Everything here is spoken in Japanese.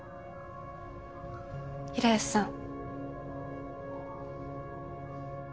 平安さん。